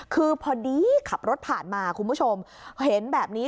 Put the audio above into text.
คือพอดีขับรถผ่านมาคุณผู้ชมเห็นแบบนี้